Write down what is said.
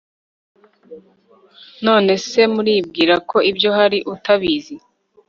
none se muribwira ko ibyo hari utabizi